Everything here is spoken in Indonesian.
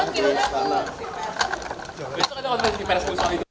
besok ada konfers di pers